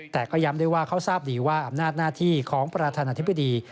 แต่ก็ย้ำด้วยว่าเขาทราบดีว่าอำนาจหน้าที่ของประธานาธิบดี